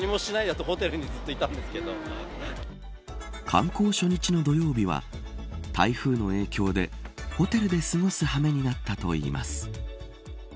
観光初日の土曜日は台風の影響でホテルで過ごす羽目になったといいます。